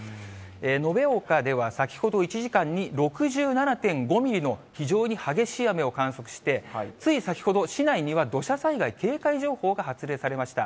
延岡では先ほど、１時間に６７．５ミリの非常に激しい雨を観測して、つい先ほど、市内には土砂災害警戒情報が発令されました。